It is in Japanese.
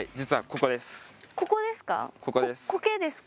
ここですか？